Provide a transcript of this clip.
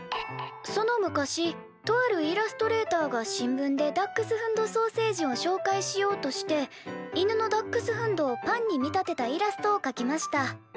「その昔とあるイラストレーターが新聞でダックスフンド・ソーセージをしょうかいしようとして犬のダックスフンドをパンに見立てたイラストをかきました。